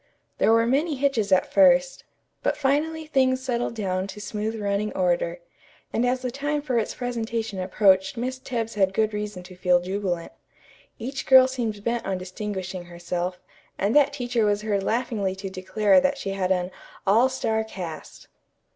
There were many hitches at first, but finally things settled down to smooth running order, and as the time for its presentation approached Miss Tebbs had good reason to feel jubilant. Each girl seemed bent on distinguishing herself, and that teacher was heard laughingly to declare that she had an "all star cast."